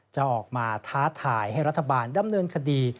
จะออกมาท้าทายให้รัฐบาลดำเนินคดี